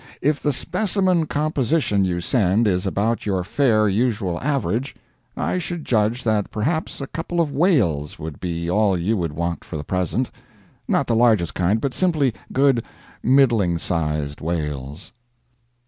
If the specimen composition you send is about your fair usual average, I should judge that perhaps a couple of whales would be all you would want for the present. Not the largest kind, but simply good, middling sized whales.